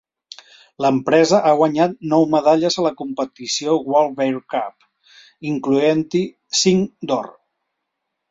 L'empresa ha guanyat nou medalles a la competició World Beer Cup, incloent-hi cinc d'or.